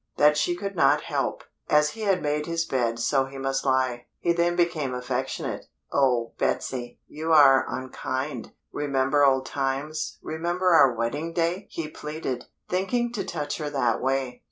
That she could not help; as he had made his bed so he must lie. He then became affectionate. "Oh Betsy, you are unkind: remember old times, remember our wedding day!" he pleaded, thinking to touch her that way.